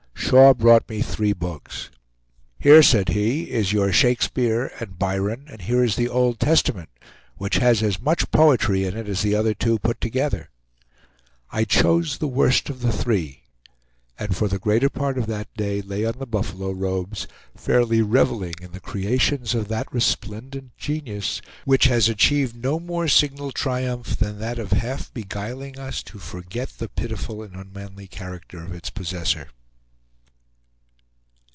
Shaw brought me three books. "Here," said he, "is your Shakespeare and Byron, and here is the Old Testament, which has as much poetry in it as the other two put together." I chose the worst of the three, and for the greater part of that day lay on the buffalo robes, fairly reveling in the creations of that resplendent genius which has achieved no more signal triumph than that of half beguiling us to forget the pitiful and unmanly character of its possessor.